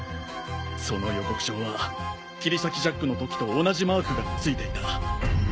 その予告状は切り裂きジャックのときと同じマークが付いていた。